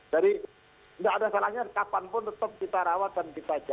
jadi tidak ada salahnya kapanpun tetap kita rawat dan kita jaga